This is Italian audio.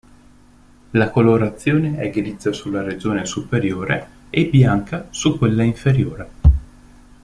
La colorazione è grigia sulla regione superiore e bianca su quella inferiore.